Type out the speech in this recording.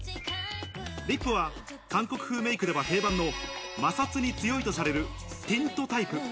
リップは、韓国風メイクでは定番の摩擦に強いとされるティントタイプ。